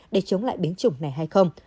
để chống lại biến chủng này hay không